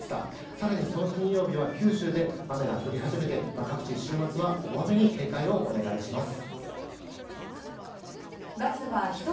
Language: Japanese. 更に、その金曜日は九州で雨が降り始めて各地週末は大雨に警戒をお願いします。